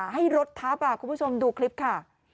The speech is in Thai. ให้รถท้าป่าวคุณผู้ชมดูคลิปค่ะ